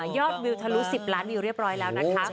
วิวทะลุ๑๐ล้านวิวเรียบร้อยแล้วนะคะ